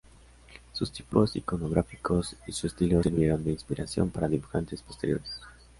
Sus tipos iconográficos y su estilo sirvieron de inspiración para dibujantes posteriores.